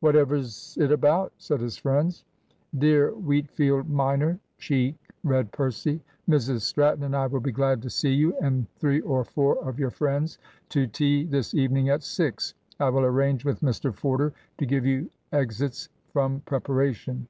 "Whatever's it about?" said his friends. "Dear Wheatfield minor," (cheek!) read Percy, "Mrs Stratton and I will be glad to see you and three or four of your friends to tea this evening at six. I will arrange with Mr Forder to give you exeats from preparation."